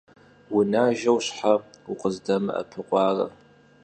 Vunajjeu şhe vukhızdemı'epıkhuare?